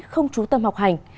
không trú tâm học hành